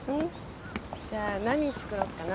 じゃあ何作ろうかな？